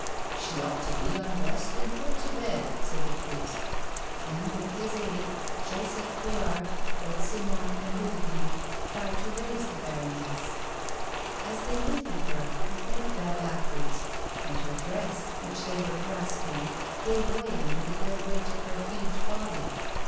" She ought to be undressed and put to bed," said the priest ; and, with his aid, Joseph Couillard, old Simon and Ludivine tried to raise the baroness. 152 A WOMAN'S LIFE. As they lifted her, her head fell backwards, and her dress, which they were grasping, gave way under the dead weight of her huge body.